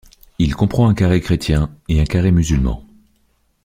Il comprend un carré chrétien et un carré musulman.